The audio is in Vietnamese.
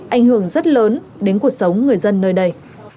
ảnh hưởng rất lớn đến cuộc sống người dân nơi đây